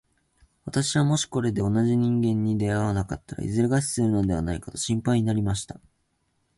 私はもしこれで同じ人間に出会わなかったら、いずれ餓死するのではないかと心配になりました。